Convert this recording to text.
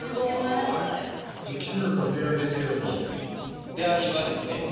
すごい気になるのは出会いですけども出会いはですね